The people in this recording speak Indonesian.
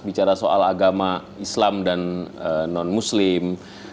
bicara soal agama islam dan non muslim